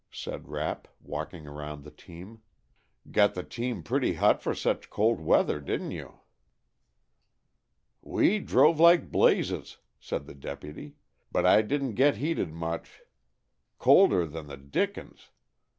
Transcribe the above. said Rapp, walking around the team. "Got the team pretty hot for such cold weather, didn't you?" "We drove like blazes," said the deputy, "but I didn't get heated much. Colder than th' dickens.